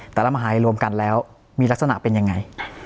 แต่ละมหายรวมกันแล้วมีลักษณะเป็นยังไง